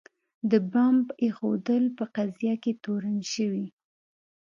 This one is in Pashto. د بمب ایښودلو په قضیه کې تورن شوي.